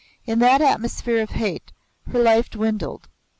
In that atmosphere of hate her life dwindled.